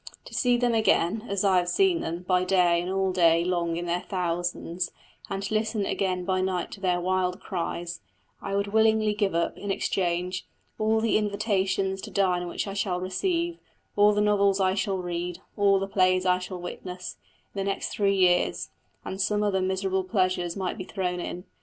To see them again, as I have seen them, by day and all day long in their thousands, and to listen again by night to their wild cries, I would willingly give up, in exchange, all the invitations to dine which I shall receive, all the novels I shall read, all the plays I shall witness, in the next three years; and some other miserable pleasures might be thrown in.